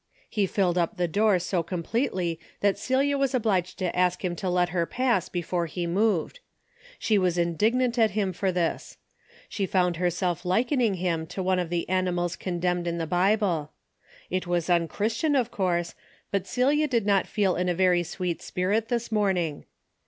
He filled up the door so com pletely that Celia was obliged to ask him to let her pass before he moved. She was indig 70 DAILY BATE:^ nant at him for this. She found herself liken ing him to one of the animals condemned in the Bible. It was unchristian of course, but Celia did not feel in a very sweet spirit this morning.